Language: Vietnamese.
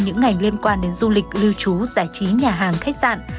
những ngành liên quan đến du lịch lưu trú giải trí nhà hàng khách sạn